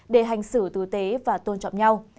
để hành xử tử tế và tôn trọng nhau